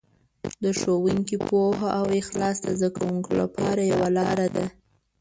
د ښوونکي پوهه او اخلاص د زده کوونکو لپاره یوه لاره ده.